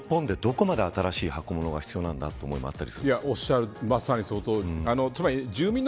やっぱりこの日本でどこまで新しい箱物が必要なんだという思いもあったりします。